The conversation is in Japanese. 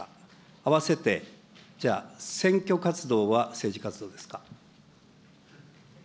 あわせてじゃあ選挙活動は政治活動ですか。